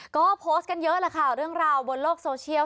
ก็โพสต์กันเยอะแหละค่ะเรื่องราวบนโลกโซเชียล